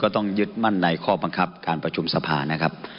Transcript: ต้องยึดมั่นในข้อบังคับการประชุมสภานะครับ